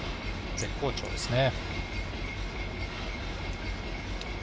絶好調ですね。